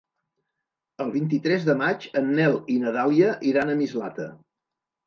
El vint-i-tres de maig en Nel i na Dàlia iran a Mislata.